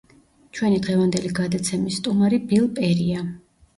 ჩვენი დღევანდელი გადაცემის სტუმარი ბილ პერია.